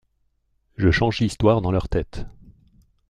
Je change l’histoire dans leur tête.